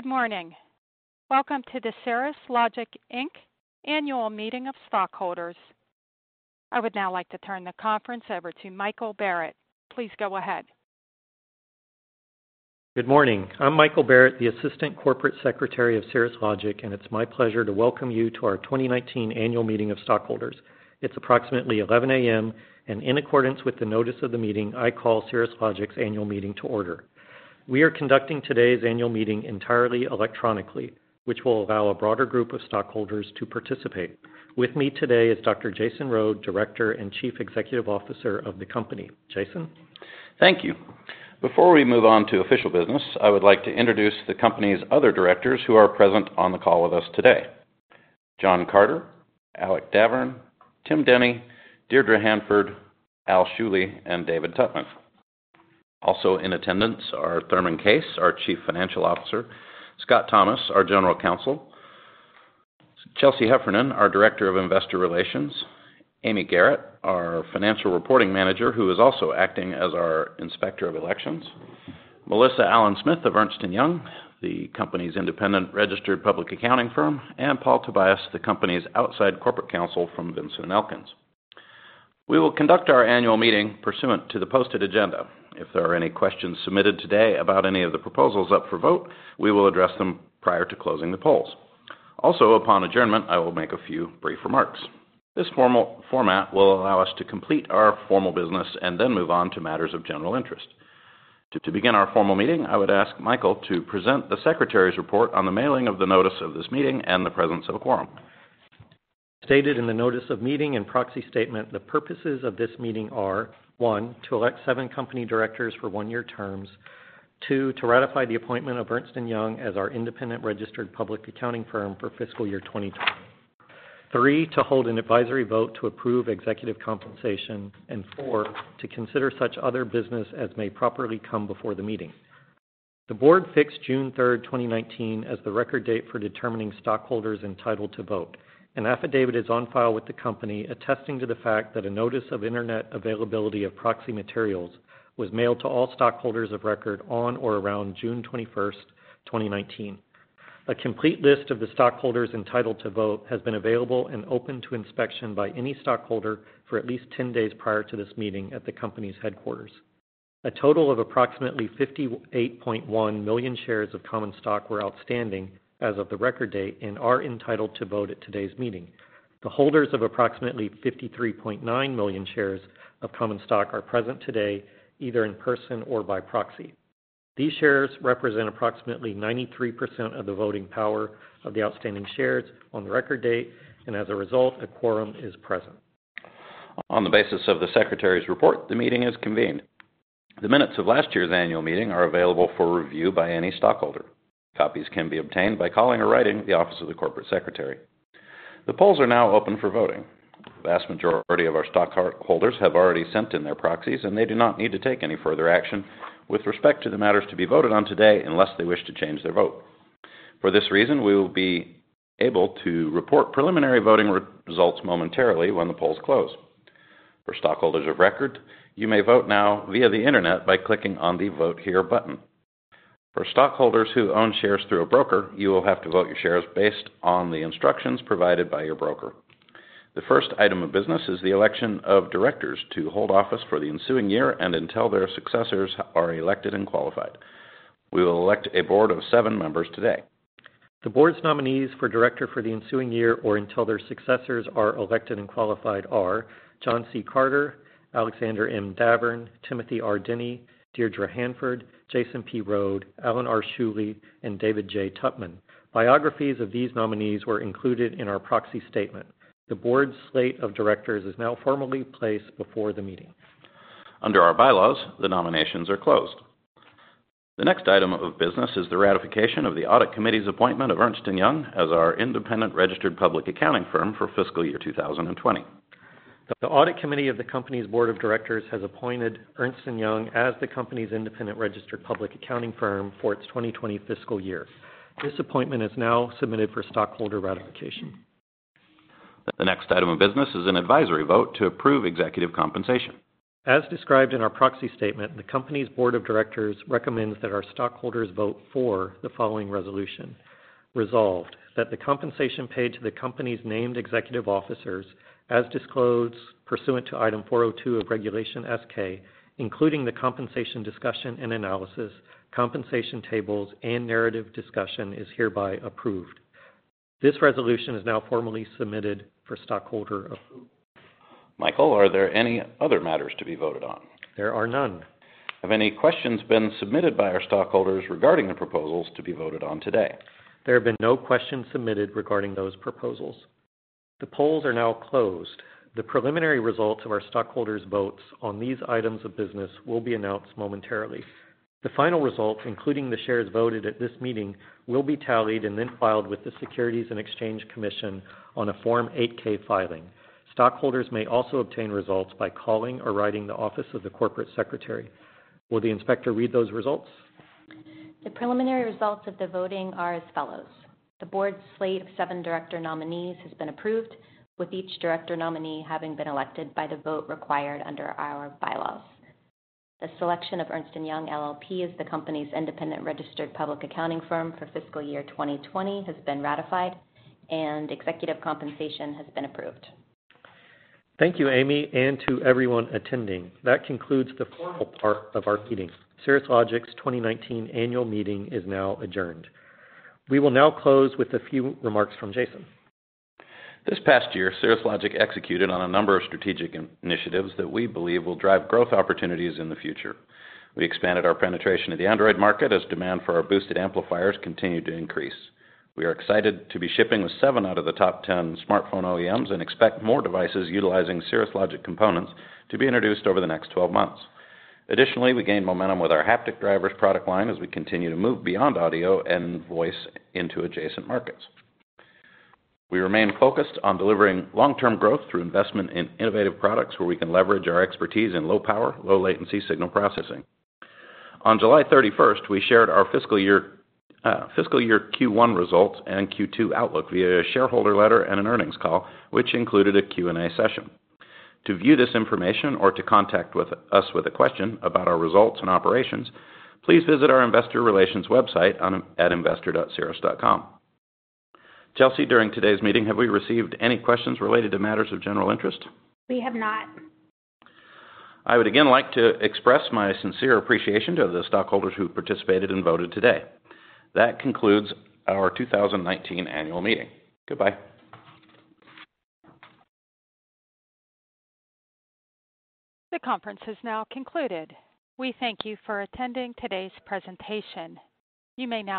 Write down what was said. Good morning. Welcome to the Cirrus Logic, Inc. annual meeting of stockholders. I would now like to turn the conference over to Michael Barrett. Please go ahead. Good morning. I'm Michael Barrett, the Assistant Corporate Secretary of Cirrus Logic, and it's my pleasure to welcome you to our 2019 annual meeting of stockholders. It's approximately 11:00 A.M., and in accordance with the notice of the meeting, I call Cirrus Logic's annual meeting to order. We are conducting today's annual meeting entirely electronically, which will allow a broader group of stockholders to participate. With me today is Dr. Jason Rhode, Director and Chief Executive Officer of the company. Jason? Thank you. Before we move on to official business, I would like to introduce the company's other directors who are present on the call with us today: John Carter, Alec Davern, Tim Dehne, Deirdre Hanford, Al Schuele, and David Tuckerman. Also in attendance are Thurman Case, our Chief Financial Officer. Scott Thomas, our General Counsel. Chelsea Heffernan, our Director of Investor Relations. Amy Garrett, our Financial Reporting Manager, who is also acting as our Inspector of Elections. Melissa Allen-Smith of Ernst & Young, the company's independent registered public accounting firm. And Paul Tobias, the company's outside corporate counsel from Vinson & Elkins. We will conduct our annual meeting pursuant to the posted agenda. If there are any questions submitted today about any of the proposals up for vote, we will address them prior to closing the polls. Also, upon adjournment, I will make a few brief remarks. This format will allow us to complete our formal business and then move on to matters of general interest. To begin our formal meeting, I would ask Michael to present the Secretary's report on the mailing of the notice of this meeting and the presence of a quorum. Stated in the notice of meeting and proxy statement, the purposes of this meeting are: one, to elect seven company directors for one-year terms, two, to ratify the appointment of Ernst & Young as our independent registered public accounting firm for fiscal year 2020, three, to hold an advisory vote to approve executive compensation, and four, to consider such other business as may properly come before the meeting. The board fixed June 3, 2019, as the record date for determining stockholders entitled to vote. An affidavit is on file with the company attesting to the fact that a notice of internet availability of proxy materials was mailed to all stockholders of record on or around June 21, 2019. A complete list of the stockholders entitled to vote has been available and open to inspection by any stockholder for at least 10 days prior to this meeting at the company's headquarters. A total of approximately 58.1 million shares of common stock were outstanding as of the record date and are entitled to vote at today's meeting. The holders of approximately 53.9 million shares of common stock are present today either in person or by proxy. These shares represent approximately 93% of the voting power of the outstanding shares on the record date, and as a result, a quorum is present. On the basis of the Secretary's report, the meeting is convened. The minutes of last year's annual meeting are available for review by any stockholder. Copies can be obtained by calling or writing the Office of the Corporate Secretary. The polls are now open for voting. The vast majority of our stockholders have already sent in their proxies, and they do not need to take any further action with respect to the matters to be voted on today unless they wish to change their vote. For this reason, we will be able to report preliminary voting results momentarily when the polls close. For stockholders of record, you may vote now via the internet by clicking on the Vote Here button. For stockholders who own shares through a broker, you will have to vote your shares based on the instructions provided by your broker. The first item of business is the election of directors to hold office for the ensuing year and until their successors are elected and qualified. We will elect a board of seven members today. The board's nominees for director for the ensuing year or until their successors are elected and qualified are John C. Carter, Alexander M. Davern, Timothy R. Dehne, Deirdre Hanford, Jason P. Rhode, Alan R. Schuele, and David J. Tuckerman. Biographies of these nominees were included in our proxy statement. The board's slate of directors is now formally placed before the meeting. Under our bylaws, the nominations are closed. The next item of business is the ratification of the Audit Committee's appointment of Ernst & Young as our independent registered public accounting firm for fiscal year 2020. The audit committee of the company's board of directors has appointed Ernst & Young as the company's independent registered public accounting firm for its 2020 fiscal year. This appointment is now submitted for stockholder ratification. The next item of business is an advisory vote to approve executive compensation. As described in our proxy statement, the company's board of directors recommends that our stockholders vote for the following resolution: Resolved that the compensation paid to the company's named executive officers, as disclosed pursuant to Item 402 of Regulation S-K, including the compensation discussion and analysis, compensation tables, and narrative discussion, is hereby approved. This resolution is now formally submitted for stockholder approval. Michael, are there any other matters to be voted on? There are none. Have any questions been submitted by our stockholders regarding the proposals to be voted on today? There have been no questions submitted regarding those proposals. The polls are now closed. The preliminary results of our stockholders' votes on these items of business will be announced momentarily. The final results, including the shares voted at this meeting, will be tallied and then filed with the Securities and Exchange Commission on a Form 8-K filing. Stockholders may also obtain results by calling or writing the Office of the Corporate Secretary. Will the Inspector read those results? The preliminary results of the voting are as follows: The board's slate of seven director nominees has been approved, with each director nominee having been elected by the vote required under our bylaws. The selection of Ernst & Young LLP as the company's independent registered public accounting firm for fiscal year 2020 has been ratified, and executive compensation has been approved. Thank you, Amy, and to everyone attending. That concludes the formal part of our meeting. Cirrus Logic's 2019 annual meeting is now adjourned. We will now close with a few remarks from Jason. This past year, Cirrus Logic executed on a number of strategic initiatives that we believe will drive growth opportunities in the future. We expanded our penetration of the Android market as demand for our boosted amplifiers continued to increase. We are excited to be shipping with seven out of the top 10 smartphone OEMs and expect more devices utilizing Cirrus Logic components to be introduced over the next 12 months. Additionally, we gained momentum with our haptic drivers product line as we continue to move beyond audio and voice into adjacent markets. We remain focused on delivering long-term growth through investment in innovative products where we can leverage our expertise in low-power, low-latency signal processing. On July 31, we shared our fiscal year Q1 results and Q2 outlook via a shareholder letter and an earnings call, which included a Q&A session. To view this information or to contact us with a question about our results and operations, please visit our Investor Relations website at investor.cirrus.com. Chelsea, during today's meeting, have we received any questions related to matters of general interest? We have not. I would again like to express my sincere appreciation to the stockholders who participated and voted today. That concludes our 2019 annual meeting. Goodbye. The conference has now concluded. We thank you for attending today's presentation. You may now.